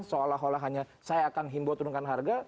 seolah olah hanya saya akan himbau turunkan harga